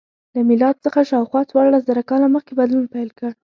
له میلاد څخه شاوخوا څوارلس زره کاله مخکې بدلون پیل کړ.